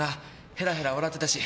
ヘラヘラ笑ってたし。